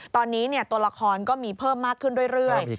ตอนนี้ตัวละครก็มีเพิ่มมากขึ้นเรื่อย